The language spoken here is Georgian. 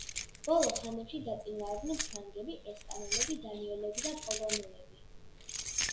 ბოლო ხანებში დაწინაურდნენ ფრანგები, ესპანელები, დანიელები და პოლონელები.